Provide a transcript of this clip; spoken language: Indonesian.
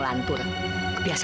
jok dengan biasa